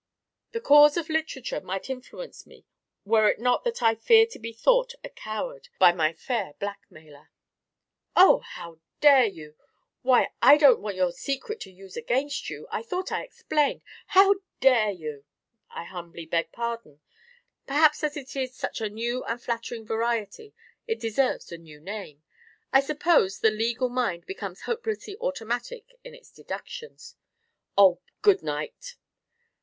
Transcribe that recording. "The cause of literature might influence me were it not that I fear to be thought a coward by my fair blackmailer." "Oh! How dare you? Why, I don't want your secret to use against you. I thought I explained how dare you!" "I humbly beg pardon. Perhaps as it is such a new and flattering variety, it deserves a new name. I suppose the legal mind becomes hopelessly automatic in its deductions " "Oh, good night!"